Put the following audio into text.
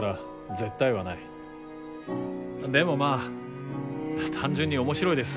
でもまあ単純に面白いです